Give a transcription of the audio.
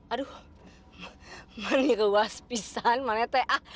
aduh meniruas pisang manetek